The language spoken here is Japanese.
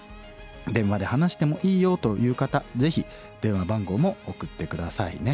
電話で話してもいいよという方ぜひ電話番号も送って下さいね。